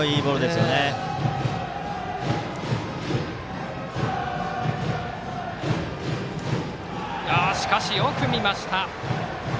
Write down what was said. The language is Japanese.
しかし、バッターよく見ました。